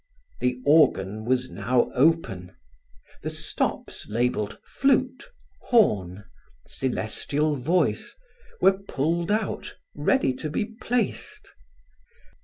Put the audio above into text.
The organ was now open. The stops labelled flute, horn, celestial voice, were pulled out, ready to be placed.